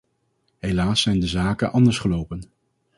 Helaas zijn de zaken anders gelopen.